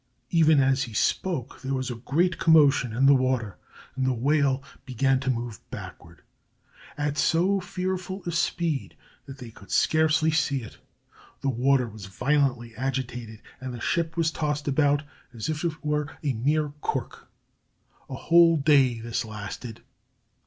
Even as he spoke there was a great commotion in the water, and the whale began to move backward at so fearful a speed that they could scarcely see it. The water was violently agitated and the ship was tossed about as if it were a mere cork. A whole day this lasted.